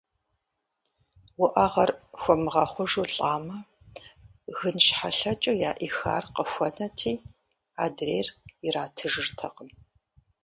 Уӏэгъэр хуэмыгъэхъужу лӏэмэ, гынщхьэлъэкӏыу яӏихар къыхуэнэти, адрейр иратыжыртэкъым.